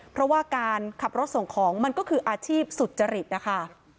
เพราะว่าการขับรถส่งของมันก็คืออาชีพสุจริตนะคะ